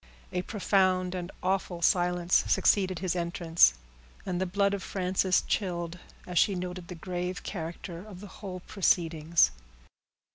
A profound and awful silence succeeded his entrance, and the blood of Frances chilled as she noted the grave character of the whole proceedings.